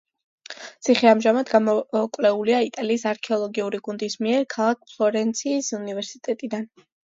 ციხე ამჟამად გამოკვლეულია იტალიის არქეოლოგიური გუნდის მიერ ქალაქ ფლორენციის უნივერსიტეტიდან.